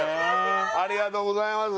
ありがとうございます